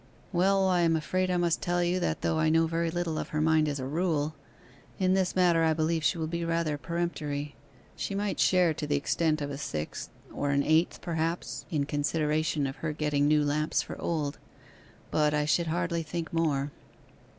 'Well, I am afraid I must tell you that though I know very little of her mind as a rule, in this matter I believe she will be rather peremptory; she might share to the extent of a sixth or an eighth perhaps, in consideration of her getting new lamps for old, but I should hardly think more.